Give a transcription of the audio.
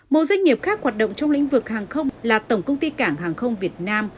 một doanh nghiệp khác hoạt động trong lĩnh vực hàng không là tổng công ty cảng hàng không việt nam